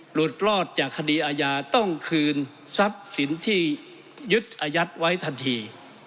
หลุดรอดจากคดีอาญาต้องคืนทรัพย์สินที่ยึดอายัดไว้ทันที